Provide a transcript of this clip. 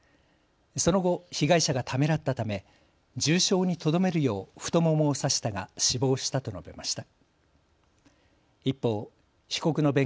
その後、被害者がためらったため重傷にとどめるよう太ももを刺したが死亡したと述べました。